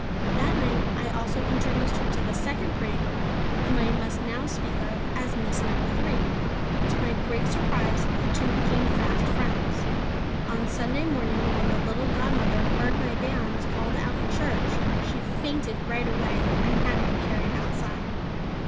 That night I also introduced her to the second pretty girl whom I must now speak of as Miss No. 3. To my great surprise, the two became fast friends. On the Sunday morning, when the little godmother heard my banns called out in church, she fainted right away, and had to be carried outside.